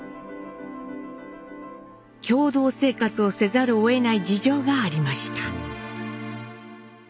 共同生活をせざるをえない事情がありました。